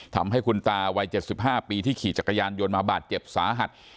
ทำให้คุณตาวัย๗๕ปีที่ขี่จักรยานยนต์มาบาดเจ็บสาหัส